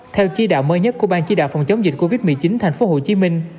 theo chi đạo mới nhất của bang chi đạo phòng chống dịch covid một mươi chín thành phố hồ chí minh